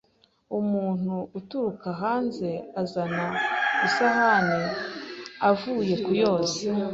umuntu aturuka hanze azana isahane avuye kuyoza